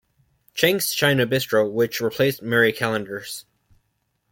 Chang's China Bistro, which replaced Marie Callender's.